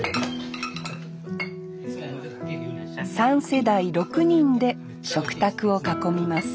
３世代６人で食卓を囲みます